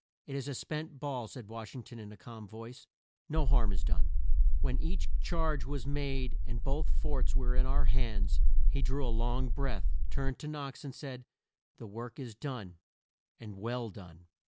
"It is a spent ball," said Wash ing ton in a calm voice; "no harm is done." When each charge was made and both forts were in our hands, he drew a long breath, turned to Knox and said, "The work is done and well done!"